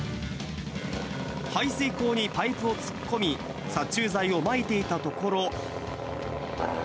排水溝にパイプを突っ込み、殺虫剤をまいていたところ。